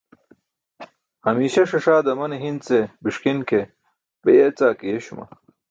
Hamiiśa ṣaṣaa damane hi̇n ce biṣki̇n ke be yeecaa ke yeeśuma.